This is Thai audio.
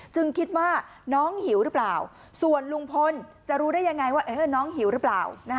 คิดว่าน้องหิวหรือเปล่าส่วนลุงพลจะรู้ได้ยังไงว่าน้องหิวหรือเปล่า